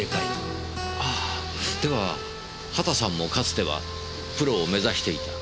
ああでは畑さんもかつてはプロを目指していた？